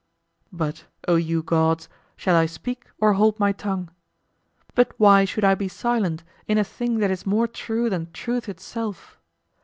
But, O you gods, "shall I speak or hold my tongue?" But why should I be silent in a thing that is more true than truth itself?